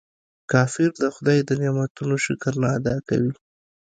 کافر د خداي د نعمتونو شکر نه ادا کوي.